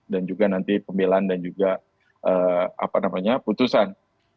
dan juga nanti pembelan dan juga apa namanya putusan